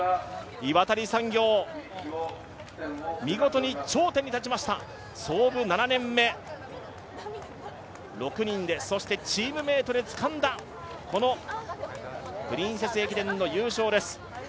岩谷産業、見事に頂点に立ちました創部７年目、６人で、そしてチームメイトでつかんだこのプリンセス駅伝の優勝です。